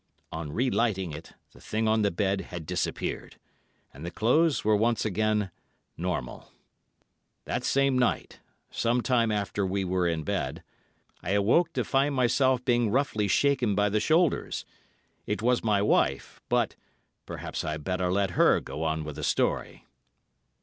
"On re lighting it, the thing on the bed had disappeared, and the clothes were once again normal. That same night, some time after we were in bed, I awoke to find myself being roughly shaken by the shoulders. It was my wife, but, perhaps I had better let her go on with the story."